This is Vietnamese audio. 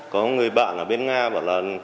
có người bạn ở bên nga bảo là